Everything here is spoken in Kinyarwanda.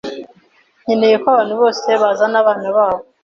nkeneye ko abantu bose bazana abana babo.